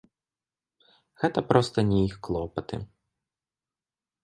Гэта проста не іх клопаты.